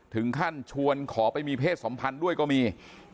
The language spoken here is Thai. ถึงขั้นชวนขอไปมีเพศสัมพันธ์ด้วยก็มี